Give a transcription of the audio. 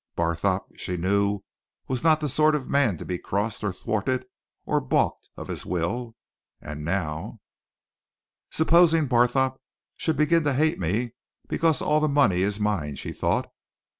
Barthorpe, she knew, was not the sort of man to be crossed or thwarted or balked of his will, and now "Supposing Barthorpe should begin to hate me because all the money is mine?" she thought.